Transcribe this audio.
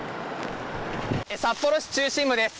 札幌市中心部です。